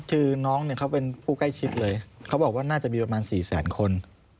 คือน้องเนี่ยเขาเป็นผู้ใกล้ชิดเลยเขาบอกว่าน่าจะมีประมาณ๔แสนคน